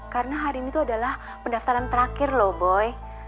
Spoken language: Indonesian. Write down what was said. karena hari ini tuh adalah pendaftaran terakhir loh boy